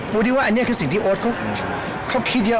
รู้ดีว่าอันนี้คือสิ่งที่โอ๊ตเขาคิดเยอะ